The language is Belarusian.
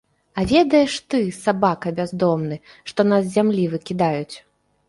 А ведаеш ты, сабака бяздомны, што нас з зямлі выкідаюць?